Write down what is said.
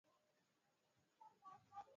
kwamba mahakimu wa Mahakama Kuu